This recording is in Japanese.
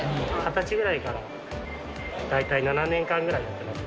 ２０歳ぐらいから、大体７年間ぐらいやってます。